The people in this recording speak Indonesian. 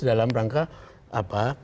dan juga yang sangat penting